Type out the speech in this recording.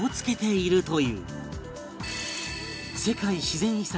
世界自然遺産